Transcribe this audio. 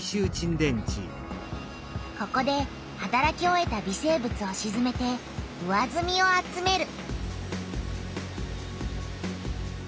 ここではたらき終えた微生物をしずめて上ずみを集める。